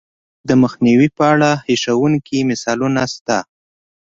د خلاق تخریب د مخنیوي په اړه هیښوونکي مثالونه شته